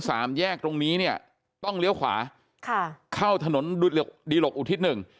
สามแยกตรงนี้เนี่ยต้องเลี้ยวขวาค่ะเข้าถนนดีหลกอุทิศหนึ่ง